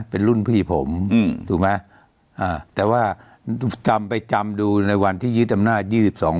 เป็นรุ่นพี่ผมอืมถูกไหมอ่าแต่ว่าจำไปจำดูในวันที่ยึดอำนาจยี่สิบสอง